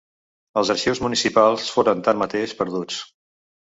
Els arxius municipals foren tanmateix perduts.